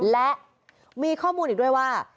และมีข้อมูลอีกด้วยว่า